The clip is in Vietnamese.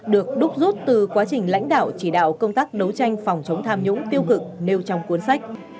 được đúc rút từ quá trình lãnh đạo chỉ đạo công tác đấu tranh phòng chống tham nhũng tiêu cực nêu trong cuốn sách